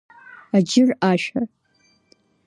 Аџьыр ашәа.